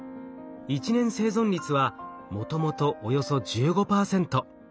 １年生存率はもともとおよそ１５％。